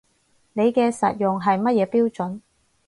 你嘅實用係乜嘢標準